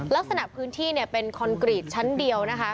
ลักษณะพื้นที่เนี่ยเป็นคอนกรีตชั้นเดียวนะคะ